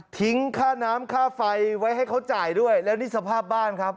ค่าน้ำค่าไฟไว้ให้เขาจ่ายด้วยแล้วนี่สภาพบ้านครับ